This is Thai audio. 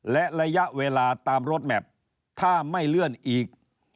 และระยะเวลาตามรถแมพถ้าไม่เลื่อนอีก